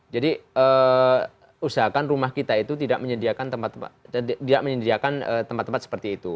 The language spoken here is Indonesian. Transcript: jadi usahakan rumah kita itu tidak menyediakan tempat tempat seperti itu